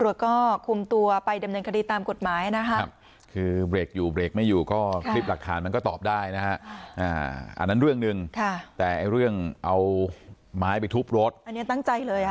ผมก็คิดว่าเขาจอดที่ไหนถ้าเขาไม่จอดเขาก็ไหลลงมาทะเลเนี่ย